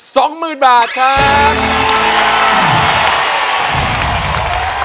๒หมื่นบาทครับ